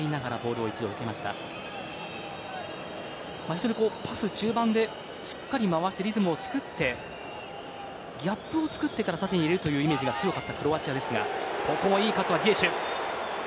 非常にパス中盤でしっかり回してリズムを作ってギャップを作ってから縦に入れるというイメージが強かったクロアチアですが。